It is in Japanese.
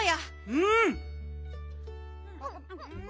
うん！